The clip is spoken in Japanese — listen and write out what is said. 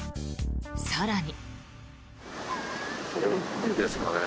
更に。